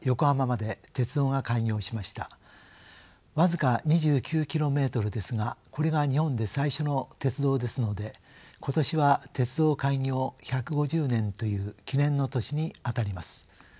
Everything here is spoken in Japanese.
僅か２９キロメートルですがこれが日本で最初の鉄道ですので今年は鉄道開業１５０年という記念の年にあたります。